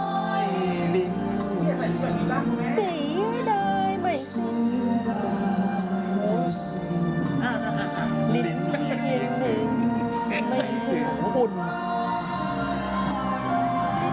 สีได้ใหม่สี